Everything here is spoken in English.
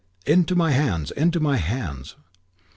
"Into my hands! Into my hands."